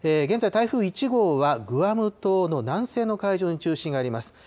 現在、台風１号はグアム島の南西の海上に中心があります。